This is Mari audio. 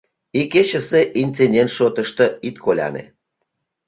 Икечысе инцидент шотышто ит коляне...